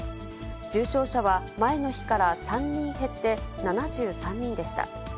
重症者は前の日から３人減って７３人でした。